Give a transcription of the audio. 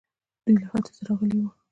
دوی له ختيځه راغلي وو